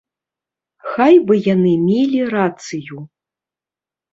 Хай бы яны мелі рацыю.